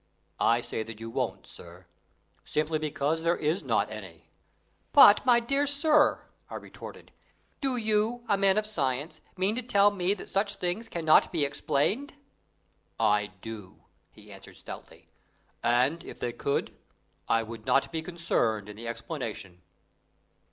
I say that you won't, sir, simply because there is not any." "But, my dear sir," I retorted, "do you, a man of science, mean to tell me that such things cannot be explained?" "I do," he answered stoutly. "And, if they could, I would not be concerned in the explanation."